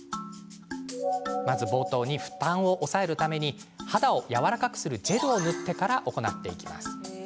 負担を抑えるために事前に肌をやわらかくするジェルを塗ってから行います。